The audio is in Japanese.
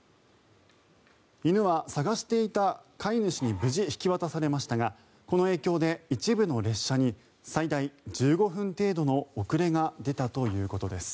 犬は捜していた飼い主に無事、引き渡されましたがこの影響で一部の列車に最大１５分程度の遅れが出たということです。